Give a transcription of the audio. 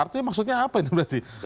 artinya maksudnya apa ini berarti